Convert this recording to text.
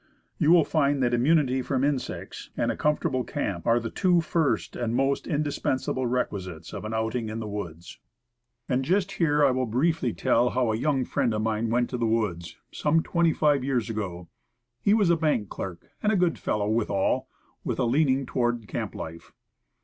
You will find that immunity from insects and a comfortable camp are the two first and most indispensable requisites of an outing in the woods. And just here I will briefly tell how a young friend of mine went to the woods, some twenty five years ago. He was a bank clerk, and a good fellow withal, with a leaning toward camp life.